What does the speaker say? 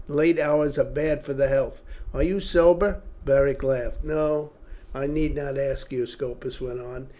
"Late hours are bad for the health. Are you sober?" Beric laughed. "No, I need not ask you," Scopus went on.